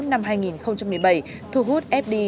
năm hai nghìn một mươi bảy thu hút fdi